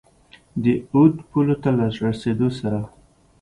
د اود پولو ته له رسېدلو سره.